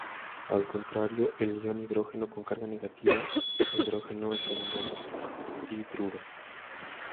Al contrario, el ion hidrógeno con carga negativa, H, es el ion hidruro.